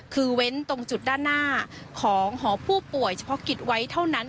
คือเว้นตรงจุดด้านหน้าของหอผู้ป่วยเฉพาะกิจไว้เท่านั้น